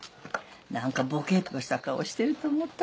なんかボケッとした顔してると思った